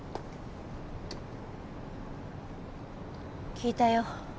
聞いたよ。